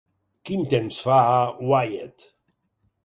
Quin temps fa a Wyatte?